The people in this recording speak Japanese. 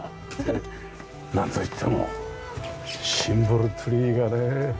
なんといってもシンボルツリーがね。